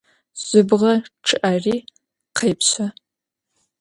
Jıbğe ççı'eri khêpşe.